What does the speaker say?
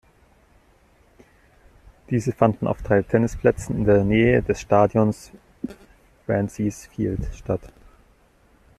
Diese fanden auf drei Tennisplätzen in der Nähe des Stadions Francis Field statt.